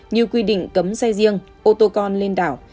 như quy định cấm xe riêng ô tô con lên đảo